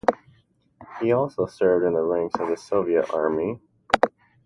He also served in the ranks of the Soviet Army.